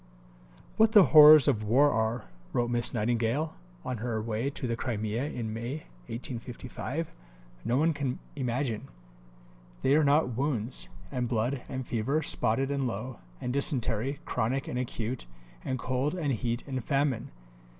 "What the horrors of war are," wrote Miss Nightingale on her way to the Crimea in May 1855, "no one can imagine. They are not wounds, and blood, and fever, spotted and low, and dysentery, chronic and acute, and cold and heat and famine.